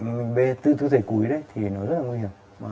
mà mình bê tư thế cuối đấy thì nó rất là nguy hiểm